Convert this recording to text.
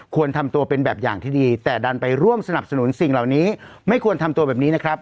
ควรทำตัวเป็นแบบอย่างที่ดีแต่ดันไปร่วมสนับสนุนสิ่งเหล่านี้ไม่ควรทำตัวแบบนี้นะครับ